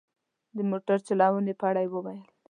د موټر چلونې په اړه یې وویل.